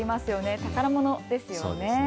宝物ですよね。